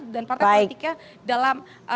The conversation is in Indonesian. dan partai politiknya dalam